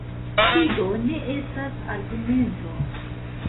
Tio ne estas argumento.